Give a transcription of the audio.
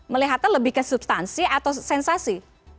melihatnya lebih ke substansi atau sensasi